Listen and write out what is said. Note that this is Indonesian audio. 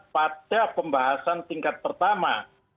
pada pembahasan tingkat pertama